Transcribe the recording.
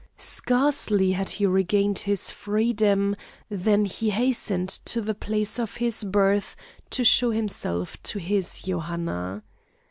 Scarcely had he regained his freedom than he hastened to the place of his birth to show himself to his Johanna.